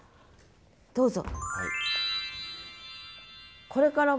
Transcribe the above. どうぞ。